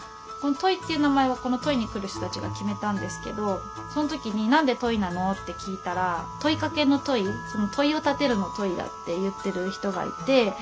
この「ｔｏｉ」っていう名前はこのｔｏｉに来る人たちが決めたんですけどそん時に「何でｔｏｉなの？」って聞いたら「問いかけ」の「ｔｏｉ」「問いを立てる」の「ｔｏｉ」だって言ってる人がいて